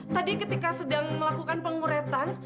tadi ketika sedang melakukan penguretan